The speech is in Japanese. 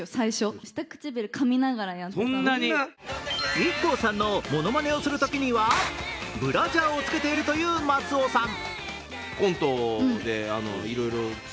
ＩＫＫＯさんのものまねをするときにはブラジャーをつけているという松尾さん。